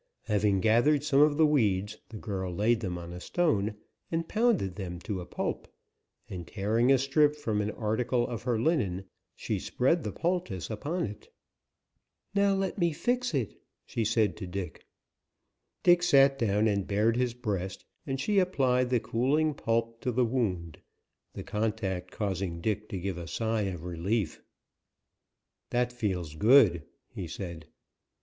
Having gathered some of the weeds, the girl laid them on a stone and pounded them to a pulp, and, tearing a strip from an article of her linen, she spread the poultice upon it. "Now, let me fix it," she said to Dick. Dick sat down and bared his breast, and she applied the cooling pulp to the wound, the contact causing Dick to give a sigh of relief. "That feels good," he said.